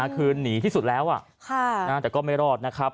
คือหนีที่สุดแล้วแต่ก็ไม่รอดนะครับ